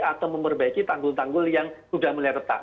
atau memperbaiki tanggul tanggul yang sudah mulai retak